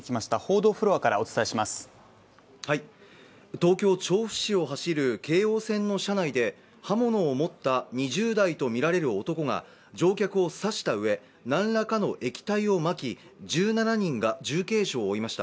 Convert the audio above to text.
東京・調布市を走る京王線の車内で刃物を持った２０代とみられる男が乗客を刺したうえ、何らかの液体をまき、１７人が重軽傷を負いました。